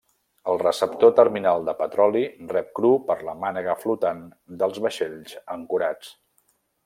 El receptor terminal de petroli rep cru per la mànega flotant dels vaixells ancorats.